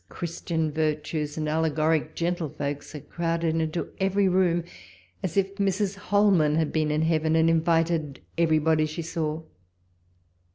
Christian virtues, and allegoric gentlefolks, are crowded into every room, as if Mrs. Holman had been in heaven and invited everybody she saw.